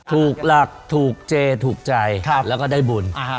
ถูกหลักถูกเจถูกใจแล้วก็ได้บุญ